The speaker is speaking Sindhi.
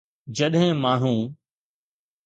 جڏهن ماڻهو